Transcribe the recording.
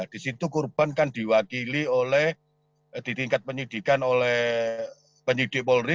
di situ korban kan diwakili oleh penyidik polri